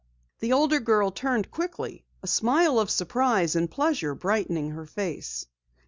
The older girl turned quickly, a smile of surprise and pleasure brightening her face.